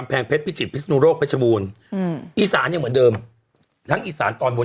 เพชรพิจิตพิศนุโลกเพชรบูรณ์อืมอีสานยังเหมือนเดิมทั้งอีสานตอนบน